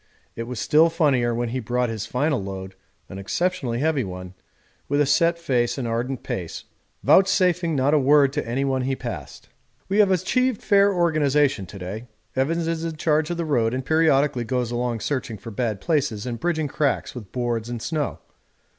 It was still funnier when he brought his final load (an exceptionally heavy one) with a set face and ardent pace, vouchsafing not a word to anyone he passed. We have achieved fair organisation to day. Evans is in charge of the road and periodically goes along searching for bad places and bridging cracks with boards and snow.